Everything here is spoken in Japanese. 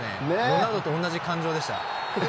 ロナウドと同じ感情でした。